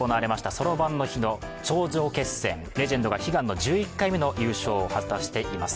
そろばんの日の頂上決戦レジェンドが悲願の１１回目の優勝を果たしています。